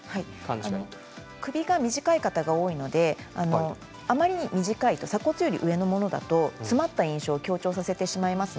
首が短い方が多いのであまりに短いと鎖骨より上のものだと詰まった印象を強調させます。